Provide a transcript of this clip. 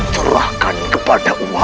serahkan kepada wa